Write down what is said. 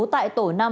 tại tổ năm